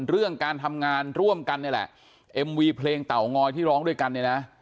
เรื่องการทำงานร่วมกันนี่แหละเอ็มวีเพลงเต่างอยที่ร้องด้วยกันเนี่ยนะ